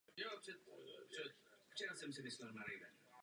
Podobných případů bych mohla zmínit mnohem více.